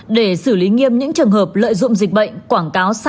để xử lý nghiêm những trường hợp lợi dụng dịch bệnh quảng cáo sai sự thật